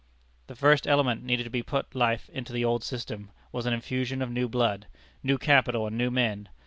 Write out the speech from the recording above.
The first element needed to put life into the old system was an infusion of new blood new capital and new men.